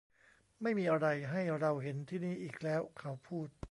ไม่มีอะไรให้เราเห็นที่นี่อีกแล้วเขาพูด